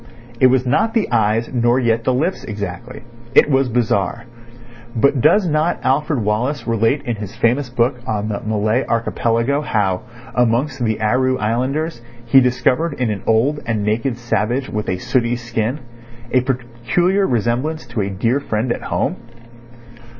It was not the eyes nor yet the lips exactly. It was bizarre. But does not Alfred Wallace relate in his famous book on the Malay Archipelago how, amongst the Aru Islanders, he discovered in an old and naked savage with a sooty skin a peculiar resemblance to a dear friend at home?